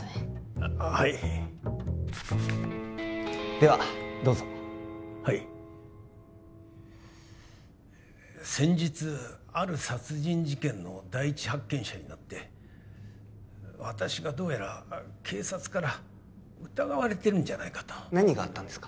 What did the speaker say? あはいではどうぞはい先日ある殺人事件の第一発見者になって私がどうやら警察から疑われてるんじゃないかと何があったんですか？